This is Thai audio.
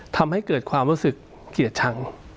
ทำให้เกิดความรู้สึกเกลียดชัง